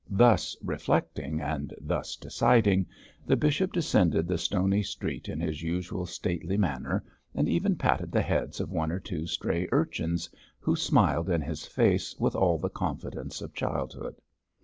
Thus reflecting and thus deciding, the bishop descended the stony street in his usual stately manner, and even patted the heads of one or two stray urchins, who smiled in his face with all the confidence of childhood.